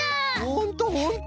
ほんとほんと！